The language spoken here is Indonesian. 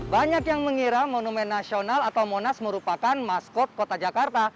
banyak yang mengira monumen nasional atau monas merupakan maskot kota jakarta